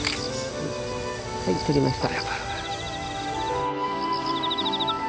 はい、撮りました。